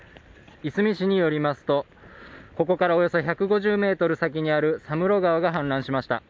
いすみ市によりますと、ここからおよそ１５０ｍ先にある佐室川が氾濫しました。